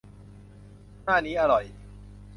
หน้านี้อร่อย